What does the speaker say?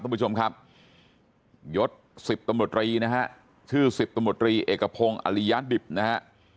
ทุกผู้ชมครับยศสิบตมตรีนะฮะชื่อสิบตมตรีเอกพรงอริยาศดิบนะฮะ